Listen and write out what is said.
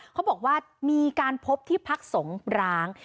เขาบอกว่ามีการพบที่พักสงปราง